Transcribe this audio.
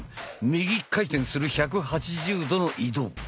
右回転する１８０度の移動。